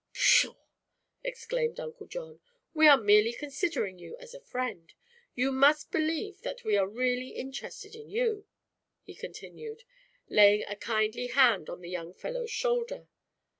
"Pshaw!" exclaimed Uncle John; "we are merely considering you as a friend. You must believe that we are really interested in you," he continued, laying a kindly hand on the young fellow's shoulder.